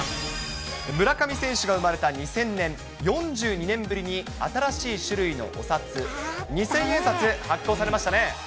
村上選手が生まれた２０００年、４２年ぶりに新しい種類のお札、二千円札、発行されましたね。